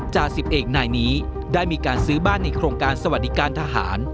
จ่าสิบเอกนายนี้ได้มีการซื้อบ้านในโครงการสวัสดิการทหาร